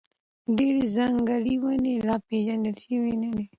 ډېر ځنګلي ونې لا پېژندل شوي نه دي.